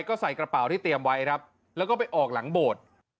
เธอก็ใส่กระเป๋าที่เตรียมไว้แล้วไปออกหลังโบด